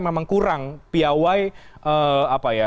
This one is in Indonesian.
memang kurang py